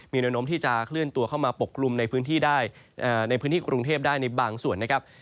มีแนวโน้มที่จะเคลื่อนตัวเข้ามาปกกลุ่มในพื้นที่ได้ในพื้นที่กรุงเทพได้ในบางส่วนนะครับ